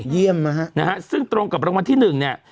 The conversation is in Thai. เยี่ยมนะฮะนะฮะซึ่งตรงกับรางวัลที่หนึ่งเนี่ย